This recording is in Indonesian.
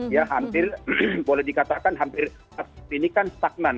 ya hampir boleh dikatakan hampir ini kan stagnan